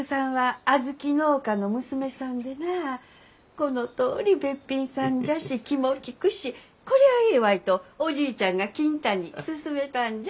このとおりべっぴんさんじゃし気も利くしこりゃあええわいとおじいちゃんが金太に勧めたんじゃ。